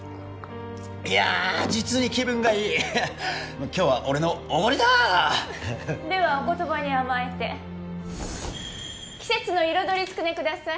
いやあ実に気分がいい今日は俺のおごりだではお言葉に甘えて季節の彩りつくねください